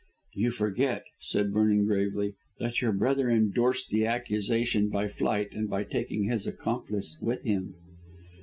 "You forget," said Vernon gravely, "that your brother endorsed the accusation by flight and by taking his accomplice with him."